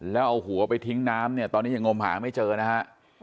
แล้วเอาหัวไปทิ้งน้ำเนี่ยตอนนี้ยังงมหาไม่เจอนะฮะ